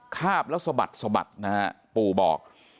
คาบแล้วสบัดสบัดนะครับปู่บอก